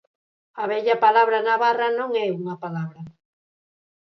A vella palabra Navarra non é unha palabra.